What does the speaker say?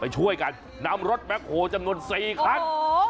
ช่วยกันนำรถแบ็คโฮจำนวน๔คัน